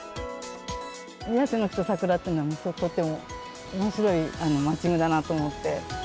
ヤシの木と桜っていうのは、とてもおもしろいマッチングだなと思って。